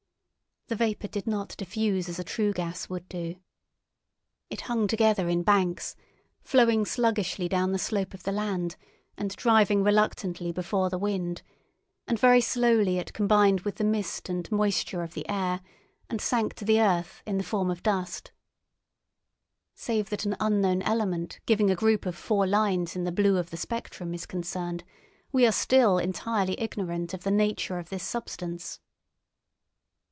The vapour did not diffuse as a true gas would do. It hung together in banks, flowing sluggishly down the slope of the land and driving reluctantly before the wind, and very slowly it combined with the mist and moisture of the air, and sank to the earth in the form of dust. Save that an unknown element giving a group of four lines in the blue of the spectrum is concerned, we are still entirely ignorant of the nature of this substance.